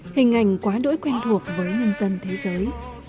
hình ảnh quá đỗi quen thuộc với nhân dân thế giới